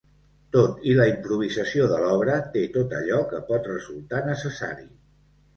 Tot i la improvisació de l’obra, té tot allò que pot resultar necessari.